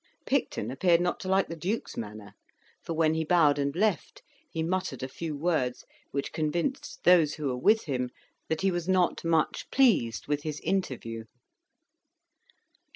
Picton appeared not to like the Duke's manner; for, when he bowed and left, he muttered a few words which convinced those who were with him that he was not much pleased with his interview.